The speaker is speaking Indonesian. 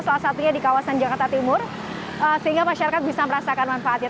salah satunya di kawasan jakarta timur sehingga masyarakat bisa merasakan manfaatnya